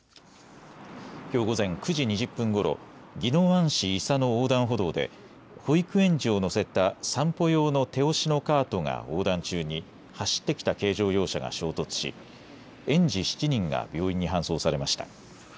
きょう午前９時２０分ごろ、宜野湾市伊佐の横断歩道で保育園児を乗せた散歩用の手押しのカートが横断中に走ってきた軽乗用車が衝突し園児７人が病院に搬送されました。